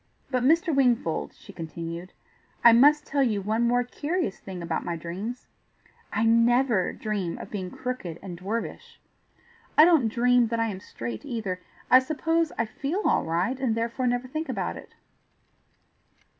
"But, Mr. Wingfold," she continued. "I must tell you one more curious thing about my dreams: I NEVER dream of being crooked and dwarfish. I don't dream that I am straight either; I suppose I feel all right, and therefore never think about it.